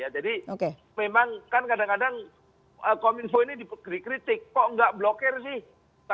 jadi memang kan kadang kadang kemenkominfo ini dikritik kok nggak blokir sih